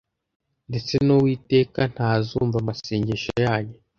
Ndetse n’Uwiteka ntazumva amasengesho yanyu